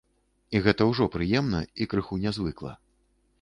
І гэта ўжо прыемна і крыху нязвыкла.